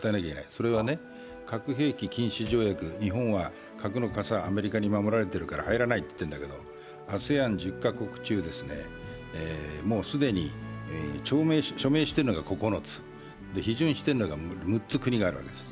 それは核兵器禁止条約日本は核の傘、アメリカに守られてるから入らないって言ってるんだけどＡＳＥＡＮ１０か国中、もう既に署名しているのが９つ、批准してるのが６つ、国があるわけです。